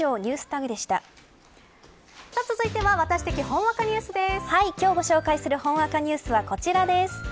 続いてはワタシ的今日ご紹介するほんわかニュースはこちらです。